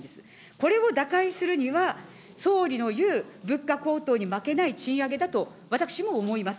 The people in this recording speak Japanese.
これを打開するには、総理の言う、物価高騰に負けない賃上げだと、私も思います。